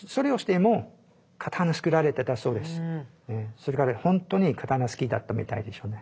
それぐらい本当に刀好きだったみたいですね。